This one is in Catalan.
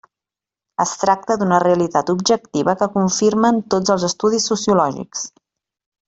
Es tracta d'una realitat objectiva que confirmen tots els estudis sociològics.